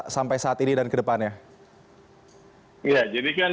sampai saat ini dan kedepannya ya jadikan uji klinis vaksin itu kan baru akan dimulai jadi sekarang